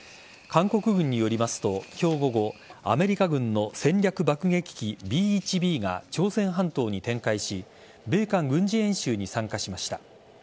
韓国軍によりますと、今日午後アメリカ軍の戦略爆撃機Ｂ‐１Ｂが朝鮮半島に展開し米韓軍事演習に参加しました。